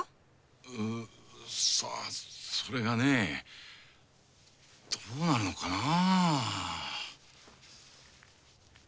うぅさあそそれがねどうなるのかなぁ。